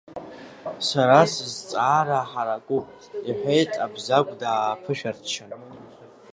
Сара сызҵаара ҳаракуп, — иҳәеит Абзагә дааԥышәырччан.